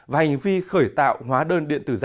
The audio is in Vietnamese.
và hành vi khởi tạo hóa đơn điện tử giả